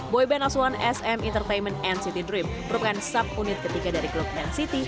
boyband asuhan sm entertainment nct dream merupakan sub unit ketiga dari klub nct